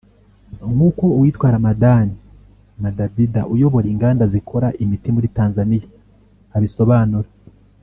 nk’uko uwitwa Ramadhan Madabida uyobora inganda zikora imiti muri Tanzania abisobanura